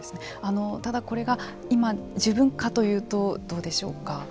ただ、これが今自分かというと、どうでしょうか。